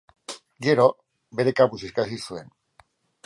Gero, bere kabuz ikasi zuen.